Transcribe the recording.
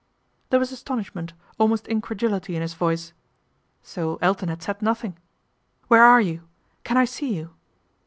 " There was astonishment, almost incredulity in his voice. So Elton had said nothing. ' Where are you ? Can I see you